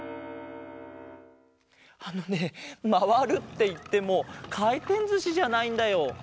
あのねまわるっていってもかいてんずしじゃないんだよ。